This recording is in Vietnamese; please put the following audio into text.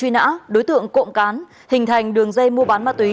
truy nã đối tượng cộng cán hình thành đường dây mua bán ma túy